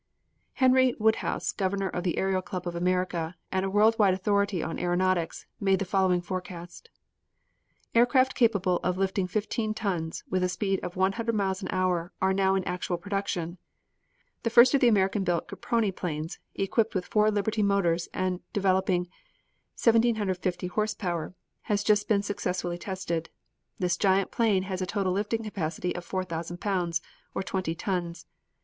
Henry Woodhouse, Governor of the Aero Club of America and a world wide authority on aeronautics, made the following forecast: Aircraft capable of lifting fifteen tons, with a speed of one hundred miles an hour, are now in actual production. The first of the American built Caproni planes, equipped with four Liberty motors and developing 1,750 horse power has just been successfully tested. This giant plane has a total lifting capacity of 40,000 pounds, or twenty tons.